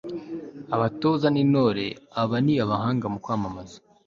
abatoza n'intore aba ni abahanga mu kwamamaza